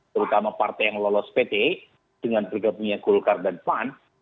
terutama partai yang lolos pt dengan bergabungnya golkar dan pan